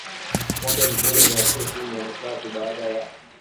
mwaka elfumoja miatisa ishirini na tatu baada ya